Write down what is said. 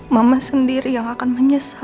mama sendiri yang akan menyesal